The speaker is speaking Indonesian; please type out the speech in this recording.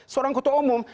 seorang ketua umum